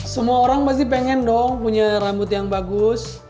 semua orang pasti pengen dong punya rambut yang bagus